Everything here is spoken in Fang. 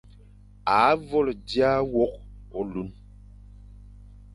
A vôl dia wôkh ôlun,